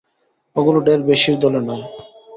ওগুলা ঢের বেশির দলে নয়।